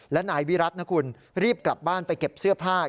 และนายวิรัตินะคุณรีบกลับบ้านไปเก็บเสื้อผ้า